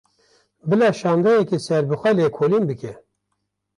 Bila şandeyeke serbixwe lêkolîn bike